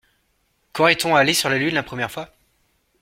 Quand est-on allé sur la lune la première fois?